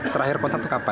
terakhir kontak itu kapan